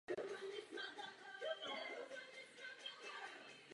Trénuje ho Des Tyson.